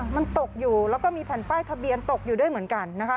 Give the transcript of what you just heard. มันตกอยู่แล้วก็มีแผ่นป้ายทะเบียนตกอยู่ด้วยเหมือนกันนะคะ